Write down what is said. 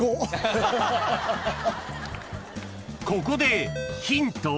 ［ここでヒント］